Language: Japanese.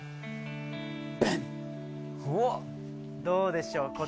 どうでしょう？